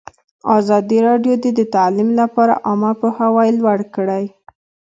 ازادي راډیو د تعلیم لپاره عامه پوهاوي لوړ کړی.